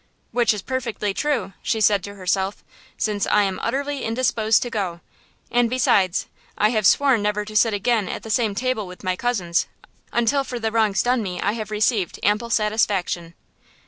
"Which is perfectly true," she said to herself, "since I am utterly indisposed to go. And besides, I have sworn never to sit again at the same table with my cousins, until for the wrongs done me I have received ample satisfaction."